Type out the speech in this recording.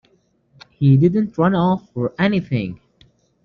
He didn't run off, or anything.